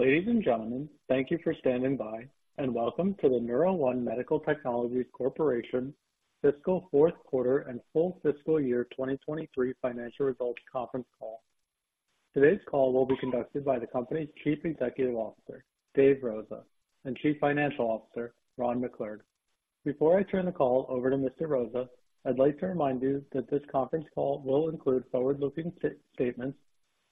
Ladies and gentlemen, thank you for standing by, and welcome to the NeuroOne Medical Technologies Corporation Fiscal Fourth Quarter and Full Fiscal Year 2023 Financial Results Conference Call. Today's call will be conducted by the company's Chief Executive Officer, Dave Rosa, and Chief Financial Officer, Ron McClurg. Before I turn the call over to Mr. Rosa, I'd like to remind you that this conference call will include forward-looking statements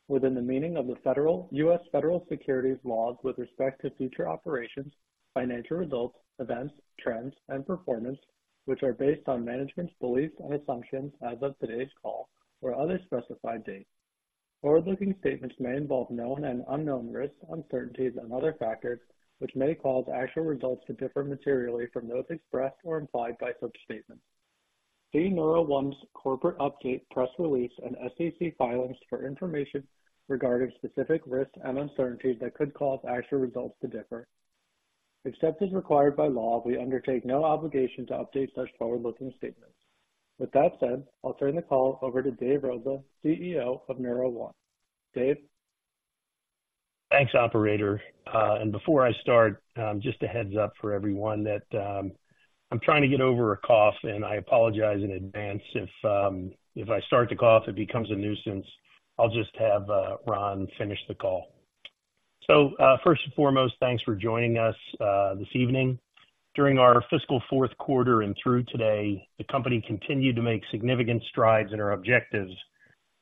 within the meaning of the U.S. federal securities laws with respect to future operations, financial results, events, trends, and performance, which are based on management's beliefs and assumptions as of today's call or other specified dates. Forward-looking statements may involve known and unknown risks, uncertainties, and other factors, which may cause actual results to differ materially from those expressed or implied by such statements. See NeuroOne's corporate update, press release, and SEC filings for information regarding specific risks and uncertainties that could cause actual results to differ. Except as required by law, we undertake no obligation to update such forward-looking statements. With that said, I'll turn the call over to Dave Rosa, CEO of NeuroOne. Dave? Thanks, operator. Before I start, just a heads up for everyone that I'm trying to get over a cough, and I apologize in advance if I start to cough, it becomes a nuisance. I'll just have Ron finish the call. First and foremost, thanks for joining us this evening. During our fiscal fourth quarter and through today, the company continued to make significant strides in our objectives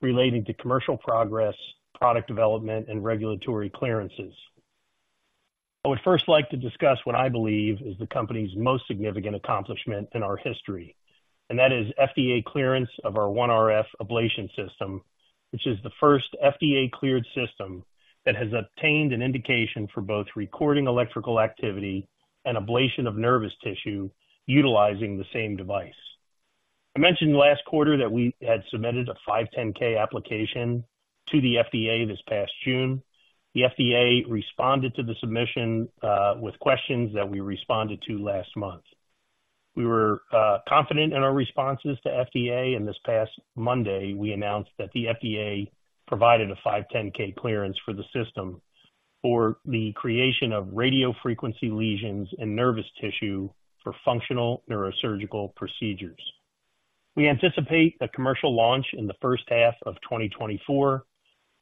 relating to commercial progress, product development, and regulatory clearances. I would first like to discuss what I believe is the company's most significant accomplishment in our history, and that is FDA clearance of our OneRF ablation system, which is the first FDA-cleared system that has obtained an indication for both recording electrical activity and ablation of nervous tissue utilizing the same device. I mentioned last quarter that we had submitted a 510(k) application to the FDA this past June. The FDA responded to the submission with questions that we responded to last month. We were confident in our responses to FDA, and this past Monday, we announced that the FDA provided a 510(k) clearance for the system for the creation of radiofrequency lesions and nervous tissue for functional neurosurgical procedures. We anticipate a commercial launch in the first half of 2024.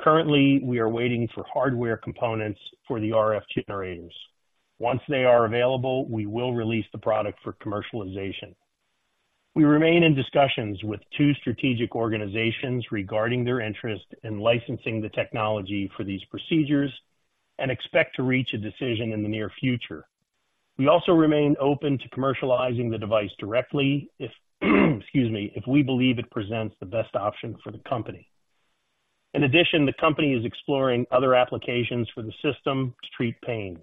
Currently, we are waiting for hardware components for the RF generators. Once they are available, we will release the product for commercialization. We remain in discussions with two strategic organizations regarding their interest in licensing the technology for these procedures and expect to reach a decision in the near future. We also remain open to commercializing the device directly if, excuse me, if we believe it presents the best option for the company. In addition, the company is exploring other applications for the system to treat pain.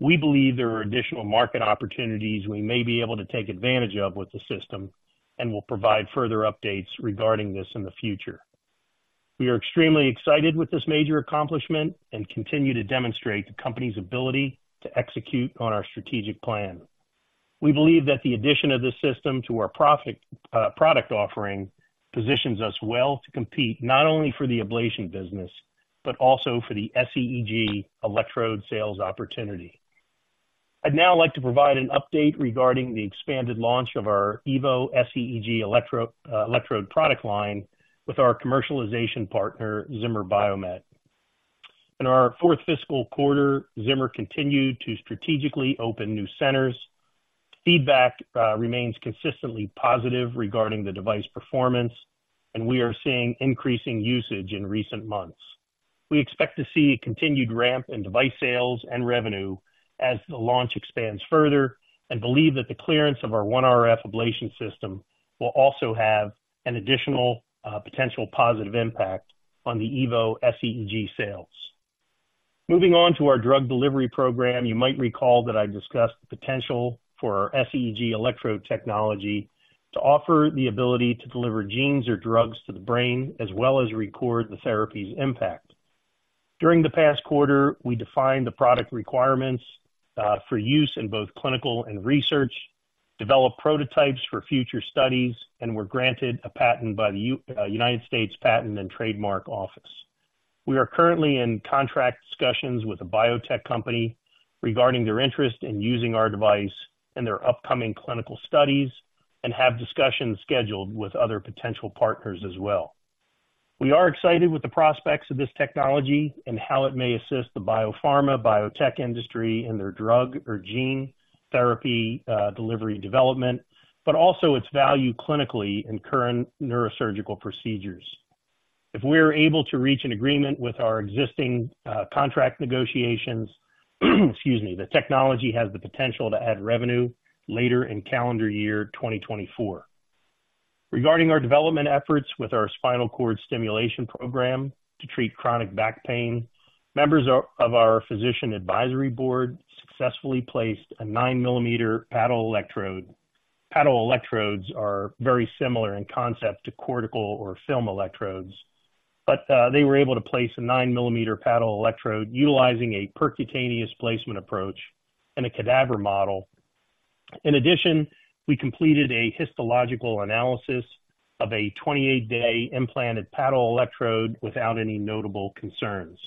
We believe there are additional market opportunities we may be able to take advantage of with the system and will provide further updates regarding this in the future. We are extremely excited with this major accomplishment and continue to demonstrate the company's ability to execute on our strategic plan. We believe that the addition of this system to our product offering positions us well to compete not only for the ablation business, but also for the sEEG electrode sales opportunity. I'd now like to provide an update regarding the expanded launch of our Evo sEEG electrode product line with our commercialization partner, Zimmer Biomet. In our fourth fiscal quarter, Zimmer continued to strategically open new centers. Feedback remains consistently positive regarding the device performance, and we are seeing increasing usage in recent months. We expect to see continued ramp in device sales and revenue as the launch expands further and believe that the clearance of our OneRF ablation system will also have an additional potential positive impact on the Evo sEEG sales. Moving on to our drug delivery program, you might recall that I discussed the potential for our sEEG electrode technology to offer the ability to deliver genes or drugs to the brain, as well as record the therapy's impact. During the past quarter, we defined the product requirements for use in both clinical and research, developed prototypes for future studies, and were granted a patent by the United States Patent and Trademark Office. We are currently in contract discussions with a biotech company regarding their interest in using our device in their upcoming clinical studies and have discussions scheduled with other potential partners as well. We are excited with the prospects of this technology and how it may assist the biopharma, biotech industry in their drug or gene therapy delivery development, but also its value clinically in current neurosurgical procedures. If we're able to reach an agreement with our existing contract negotiations, excuse me, the technology has the potential to add revenue later in calendar year 2024. Regarding our development efforts with our spinal cord stimulation program to treat chronic back pain, members of our physician advisory board successfully placed a 9-millimeter paddle electrode. Paddle electrodes are very similar in concept to cortical or film electrodes, but they were able to place a 9-millimeter paddle electrode utilizing a percutaneous placement approach in a cadaver model. In addition, we completed a histological analysis of a 28-day implanted paddle electrode without any notable concerns.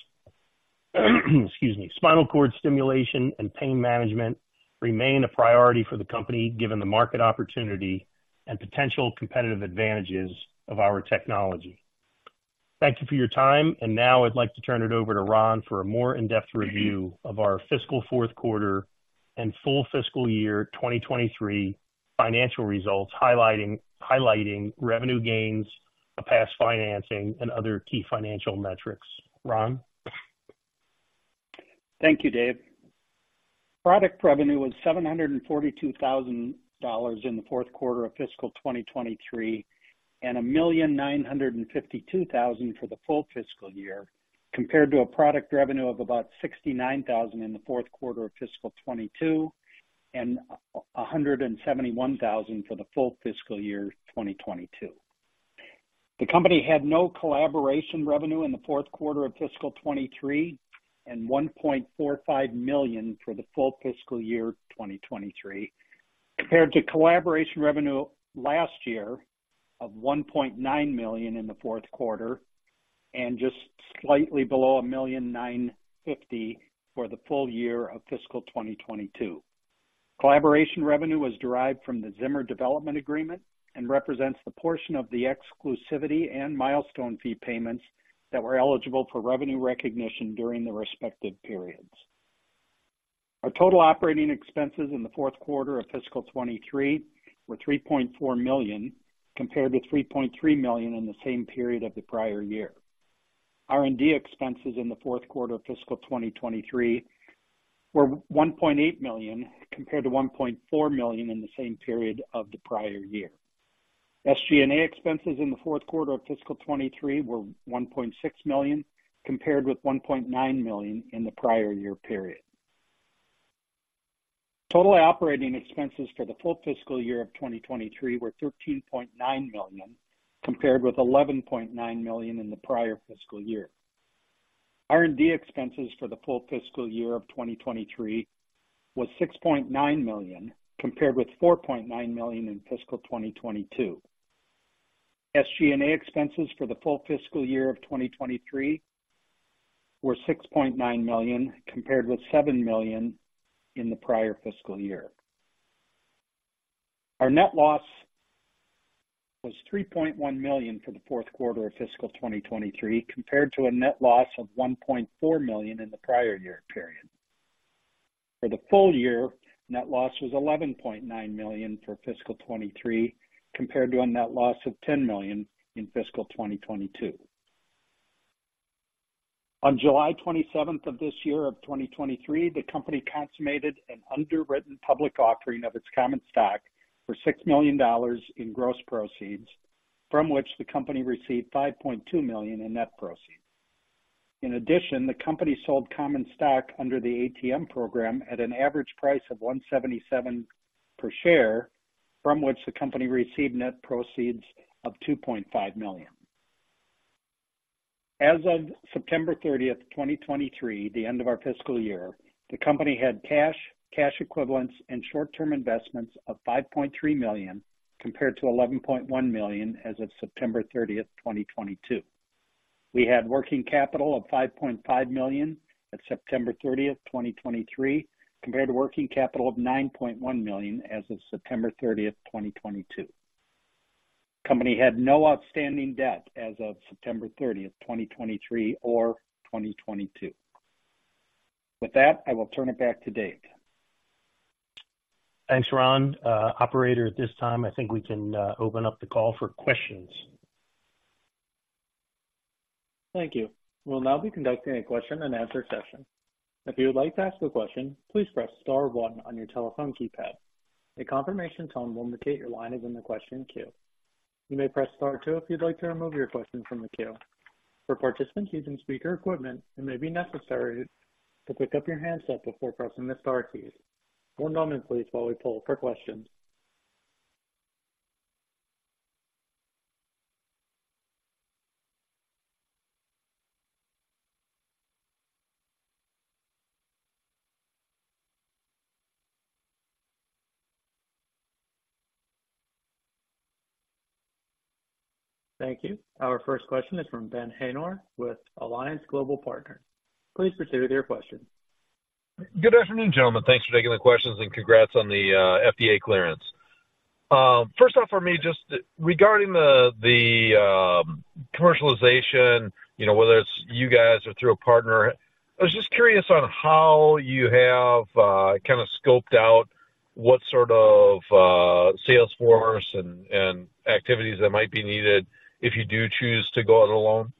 Excuse me. Spinal cord stimulation and pain management remain a priority for the company, given the market opportunity and potential competitive advantages of our technology. Thank you for your time, and now I'd like to turn it over to Ron for a more in-depth review of our fiscal fourth quarter and full fiscal year 2023 financial results, highlighting revenue gains, a past financing, and other key financial metrics. Ron? Thank you, Dave. Product revenue was $742,000 in the fourth quarter of fiscal 2023, and $1,952,000 for the full fiscal year, compared to a product revenue of about $69,000 in the fourth quarter of fiscal 2022 and $171,000 for the full fiscal year 2022. The company had no collaboration revenue in the fourth quarter of fiscal 2023 and $1.45 million for the full fiscal year 2023, compared to collaboration revenue last year of $1.9 million in the fourth quarter and just slightly below $1,950,000 for the full year of fiscal 2022. Collaboration revenue was derived from the Zimmer development agreement and represents the portion of the exclusivity and milestone fee payments that were eligible for revenue recognition during the respective periods. Our total operating expenses in the fourth quarter of fiscal 2023 were $3.4 million, compared to $3.3 million in the same period of the prior year. R&D expenses in the fourth quarter of fiscal 2023 were $1.8 million, compared to $1.4 million in the same period of the prior year. SG&A expenses in the fourth quarter of fiscal 2023 were $1.6 million, compared with $1.9 million in the prior year period. Total operating expenses for the full fiscal year of 2023 were $13.9 million, compared with $11.9 million in the prior fiscal year. R&D expenses for the full fiscal year of 2023 was $6.9 million, compared with $4.9 million in fiscal 2022. SG&A expenses for the full fiscal year of 2023 were $6.9 million, compared with $7 million in the prior fiscal year. Our net loss was $3.1 million for the fourth quarter of fiscal 2023, compared to a net loss of $1.4 million in the prior year period. For the full year, net loss was $11.9 million for fiscal 2023, compared to a net loss of $10 million in fiscal 2022. On July 27th of this year of 2023, the company consummated an underwritten public offering of its common stock for $6 million in gross proceeds, from which the company received $5.2 million in net proceeds. In addition, the company sold common stock under the ATM program at an average price of $177 per share, from which the company received net proceeds of $2.5 million. As of September 30, 2023, the end of our fiscal year, the company had cash, cash equivalents, and short-term investments of $5.3 million, compared to $11.1 million as of September 30, 2022. We had working capital of $5.5 million at September 30, 2023, compared to working capital of $9.1 million as of September 30, 2022. The company had no outstanding debt as of September 30, 2023 or 2022. With that, I will turn it back to Dave. Thanks, Ron. Operator, at this time, I think we can open up the call for questions. Thank you. We'll now be conducting a question-and-answer session. If you would like to ask a question, please press star one on your telephone keypad. A confirmation tone will indicate your line is in the question queue. You may press star two if you'd like to remove your question from the queue. For participants using speaker equipment, it may be necessary to pick up your handset before pressing the star keys. One moment, please, while we pull for questions. Thank you. Our first question is from Ben Haynor with Alliance Global Partners. Please proceed with your question. Good afternoon, gentlemen. Thanks for taking the questions and congrats on the FDA clearance. First off, for me, just regarding the commercialization, you know, whether it's you guys or through a partner, I was just curious on how you have kind of scoped out what sort of sales force and activities that might be needed if you do choose to go it alone.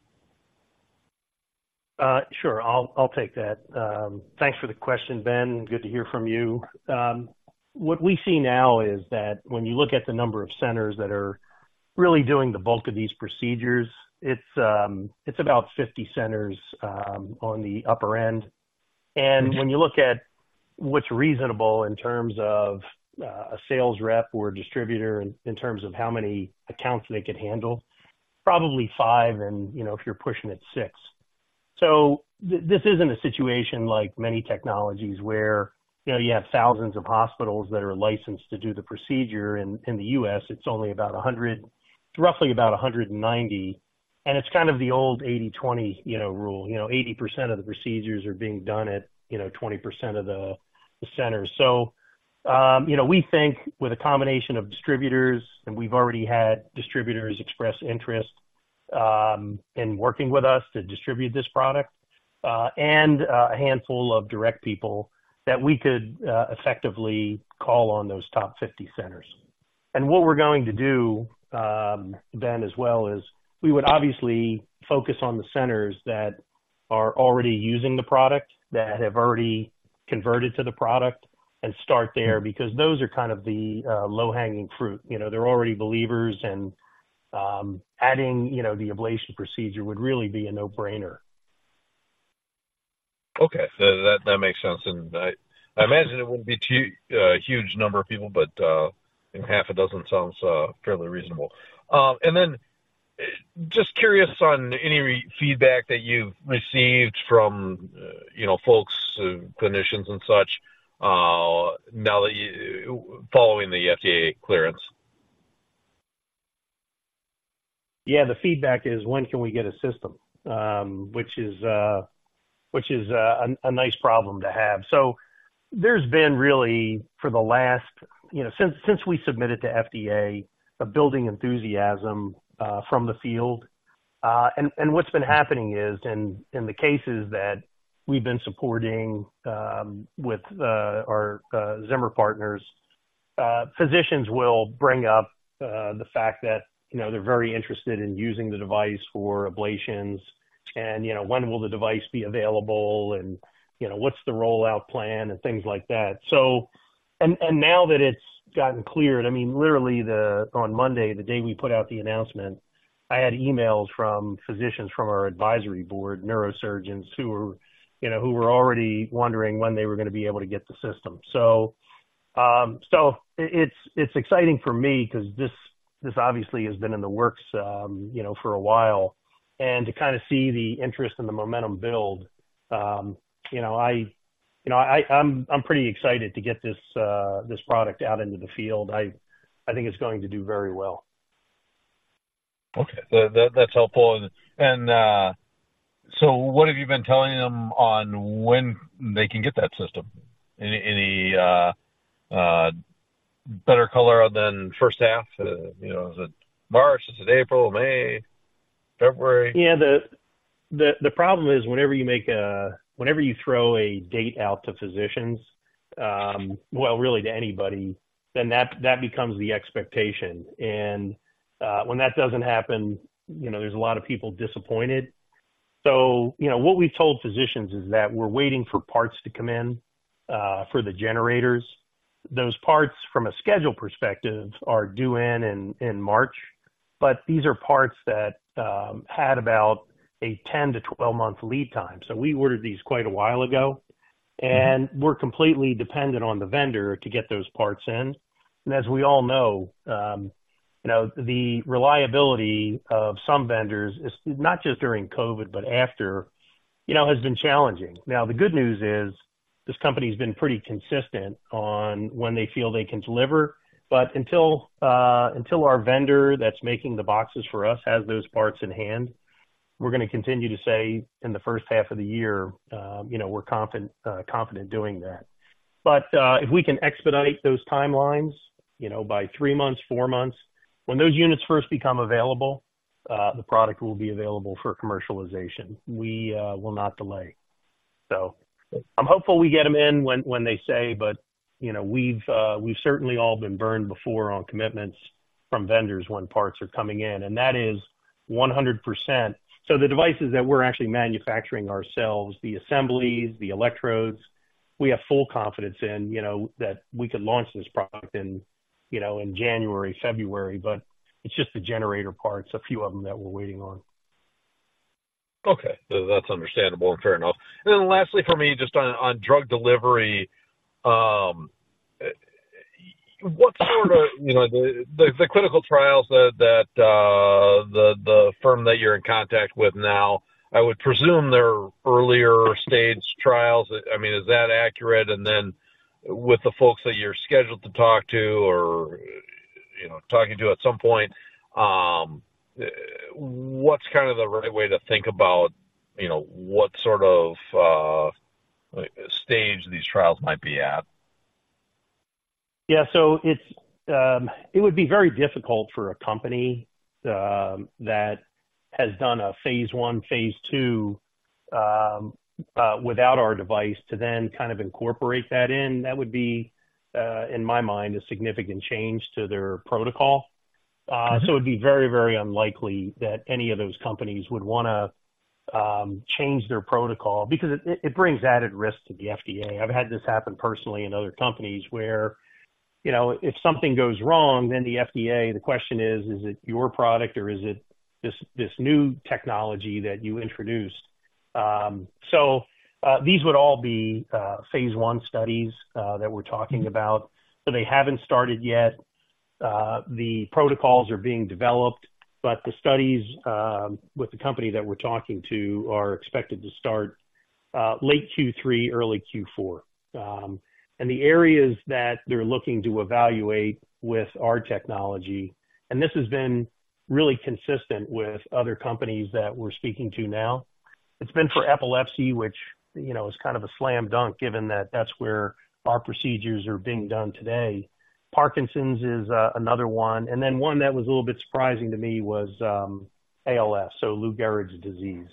Sure. I'll take that. Thanks for the question, Ben. Good to hear from you. What we see now is that when you look at the number of centers that are really doing the bulk of these procedures, it's about 50 centers on the upper end. And when you look at what's reasonable in terms of a sales rep or a distributor in terms of how many accounts they could handle, probably 5, and, you know, if you're pushing it, 6. So this isn't a situation like many technologies where, you know, you have thousands of hospitals that are licensed to do the procedure. In the U.S., it's only about 100, roughly about 190, and it's kind of the old 80/20, you know, rule. You know, 80% of the procedures are being done at, you know, 20% of the centers. So, you know, we think with a combination of distributors, and we've already had distributors express interest in working with us to distribute this product, and a handful of direct people, that we could effectively call on those top 50 centers. And what we're going to do, then as well, is we would obviously focus on the centers that are already using the product, that have already converted to the product and start there, because those are kind of the low-hanging fruit. You know, they're already believers, and adding, you know, the ablation procedure would really be a no-brainer. Okay. So that makes sense, and I imagine it wouldn't be too a huge number of people, but and half a dozen sounds fairly reasonable. And then, just curious on any feedback that you've received from, you know, folks, clinicians and such, following the FDA clearance. Yeah, the feedback is: When can we get a system? Which is a nice problem to have. So there's been really, for the last... You know, since we submitted to FDA, a building enthusiasm from the field. And what's been happening is, in the cases that we've been supporting, with our Zimmer partners, physicians will bring up the fact that, you know, they're very interested in using the device for ablations and, you know, when will the device be available, and, you know, what's the rollout plan and things like that. So, now that it's gotten cleared, I mean, literally, on Monday, the day we put out the announcement, I had emails from physicians from our advisory board, neurosurgeons who were, you know, already wondering when they were going to be able to get the system. So, it's exciting for me because this obviously has been in the works, you know, for a while, and to kind of see the interest and the momentum build, you know, I'm pretty excited to get this product out into the field. I think it's going to do very well. Okay. That's helpful. And, so what have you been telling them on when they can get that system? Any better color than first half? You know, is it March? Is it April, May, February? Yeah, the problem is, whenever you throw a date out to physicians, well, really to anybody, then that becomes the expectation. And when that doesn't happen, you know, there's a lot of people disappointed. So, you know, what we've told physicians is that we're waiting for parts to come in for the generators. Those parts, from a schedule perspective, are due in March, but these are parts that had about a 10-12-month lead time. So we ordered these quite a while ago, and we're completely dependent on the vendor to get those parts in. And as we all know, you know, the reliability of some vendors is, not just during COVID, but after, you know, has been challenging. Now, the good news is, this company's been pretty consistent on when they feel they can deliver, but until our vendor that's making the boxes for us has those parts in hand, we're going to continue to say, in the first half of the year, you know, we're confident doing that. But, if we can expedite those timelines, you know, by 3 months, 4 months, when those units first become available, the product will be available for commercialization. We will not delay. So I'm hopeful we get them in when they say, but, you know, we've certainly all been burned before on commitments from vendors when parts are coming in, and that is 100%. So the devices that we're actually manufacturing ourselves, the assemblies, the electrodes, we have full confidence in, you know, that we could launch this product in, you know, in January, February, but it's just the generator parts, a few of them that we're waiting on. Okay. That's understandable and fair enough. And then lastly, for me, just on drug delivery, what sort of... You know, the clinical trials that the firm that you're in contact with now, I would presume they're earlier stage trials. I mean, is that accurate? And then with the folks that you're scheduled to talk to or, you know, talking to at some point, what's kind of the right way to think about, you know, what sort of stage these trials might be at? Yeah. So it would be very difficult for a company that has done a phase one, phase two without our device, to then kind of incorporate that in. That would be, in my mind, a significant change to their protocol. So it'd be very, very unlikely that any of those companies would want to change their protocol because it, it brings added risk to the FDA. I've had this happen personally in other companies where, you know, if something goes wrong, then the FDA, the question is, is it your product or is it this, this new technology that you introduced? So, these would all be phase one studies that we're talking about. So they haven't started yet. The protocols are being developed, but the studies with the company that we're talking to are expected to start late Q3, early Q4. And the areas that they're looking to evaluate with our technology, and this has been really consistent with other companies that we're speaking to now, it's been for epilepsy, which, you know, is kind of a slam dunk, given that that's where our procedures are being done today. Parkinson's is another one, and then one that was a little bit surprising to me was ALS, so Lou Gehrig's disease.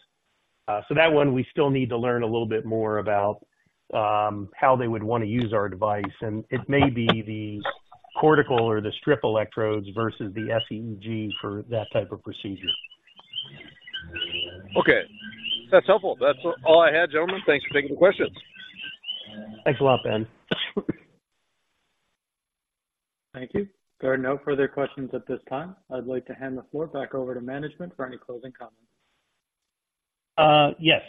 So that one, we still need to learn a little bit more about how they would want to use our device, and it may be the cortical or the strip electrodes versus the sEEG for that type of procedure. Okay, that's helpful. That's all I had, gentlemen. Thanks for taking the questions. Thanks a lot, Ben. Thank you. There are no further questions at this time. I'd like to hand the floor back over to management for any closing comments. Yes,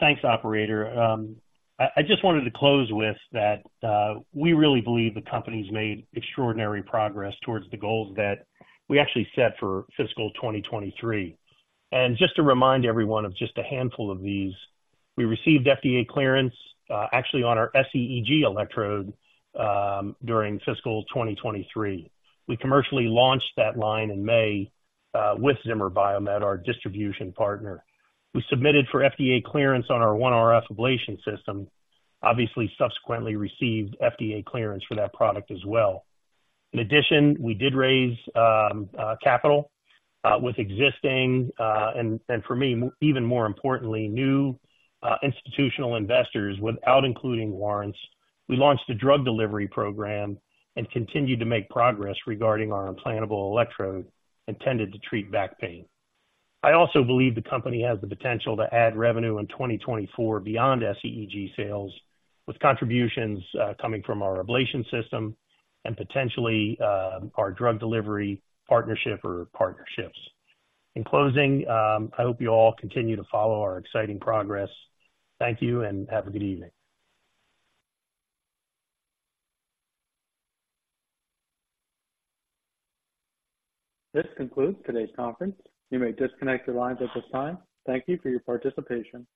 thanks, operator. I just wanted to close with that. We really believe the company's made extraordinary progress towards the goals that we actually set for fiscal 2023. Just to remind everyone of just a handful of these, we received FDA clearance, actually on our sEEG electrode, during fiscal 2023. We commercially launched that line in May with Zimmer Biomet, our distribution partner. We submitted for FDA clearance on our OneRF ablation system. Obviously, subsequently received FDA clearance for that product as well. In addition, we did raise capital with existing, and for me, even more importantly, new institutional investors without including warrants. We launched a drug delivery program and continued to make progress regarding our implantable electrode intended to treat back pain. I also believe the company has the potential to add revenue in 2024 beyond sEEG sales, with contributions coming from our ablation system and potentially our drug delivery partnership or partnerships. In closing, I hope you all continue to follow our exciting progress. Thank you and have a good evening. This concludes today's conference. You may disconnect your lines at this time. Thank you for your participation.